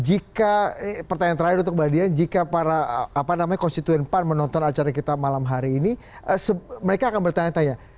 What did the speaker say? jika pertanyaan terakhir untuk mbak dian jika para konstituen pan menonton acara kita malam hari ini mereka akan bertanya tanya